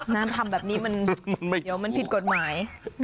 น้ำทำแบบนี้มันเดี๋ยวมันผิดกฎหมาย